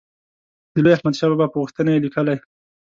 د لوی احمدشاه بابا په غوښتنه یې لیکلی.